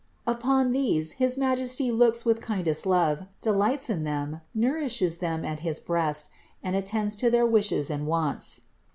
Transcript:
Upon these his Majesty looks with kindest love, delights in them, nourishes them at his breast, and attends to their wishes and wants.